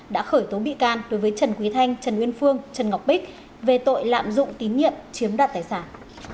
đối với trần quý thanh trần nguyên phương trần ngọc bích về tội lạm dụng tín nhiệm chiếm đoạt tài sản